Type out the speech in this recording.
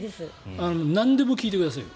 なんでも聞いてください。